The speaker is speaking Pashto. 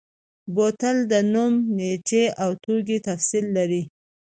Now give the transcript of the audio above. بوتل د نوم، نیټې او توکي تفصیل لري.